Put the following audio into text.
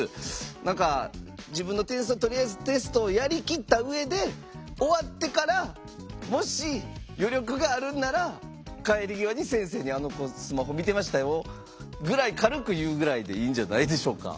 何か自分の点数をとりあえずテストをやりきった上で終わってからもし余力があるんなら帰り際に先生にあの子スマホ見てましたよぐらい軽く言うぐらいでいいんじゃないでしょうか。